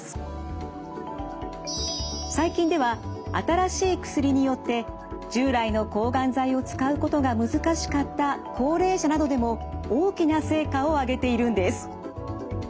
最近では新しい薬によって従来の抗がん剤を使うことが難しかった高齢者などでも大きな成果をあげているんです。